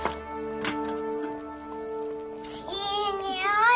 いいにおい。